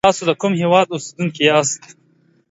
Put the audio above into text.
تاسی دکوم هیواد اوسیدونکی یاست